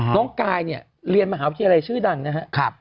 น้องกายเนี่ยเรียนมหาวิทยาลัยชื่อดังนะครับ